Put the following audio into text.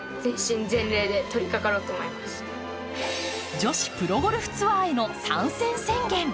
女子プロゴルフツアーへの参戦宣言。